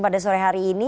pada sore hari ini